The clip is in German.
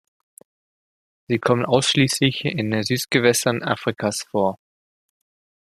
Sie kommen ausschließlich in Süßgewässern Afrikas vor.